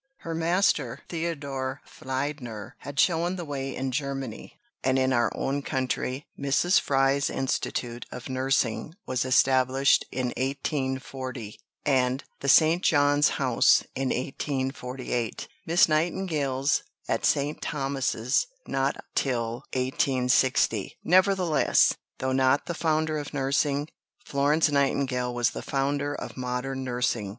Her master, Theodor Fliedner, had shown the way in Germany; and in our own country Mrs. Fry's Institute of Nursing was established in 1840, and the St. John's House in 1848, Miss Nightingale's, at St. Thomas's, not till 1860. Nevertheless, though not the founder of nursing, Florence Nightingale was the founder of modern nursing.